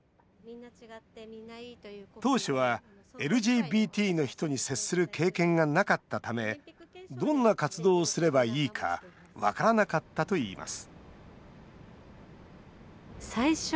当初は、ＬＧＢＴの人に接する経験がなかったためどんな活動をすればいいか分からなかったといいます